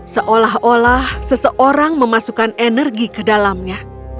seolah olah seseorang memasukkan energi ke dalamnya